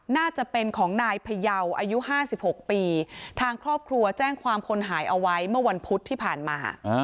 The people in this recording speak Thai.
น่าจะเป็นของนายพยาวอายุ๕๖ปีทางครอบครัวแจ้งความคนหายเอาไว้เมื่อวันพุธที่ผ่านมา